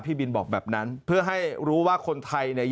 พี่บินบอกแบบนั้นเพื่อให้รู้ว่าคนไทยเนี่ย